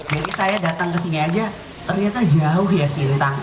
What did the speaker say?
jadi saya datang ke sini aja ternyata jauh